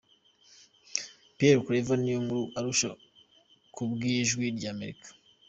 Pierre Claver Niyonkuru, i Arusha ku bw’Ijwi ry’Amerika: